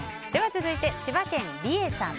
続いて、千葉県の方。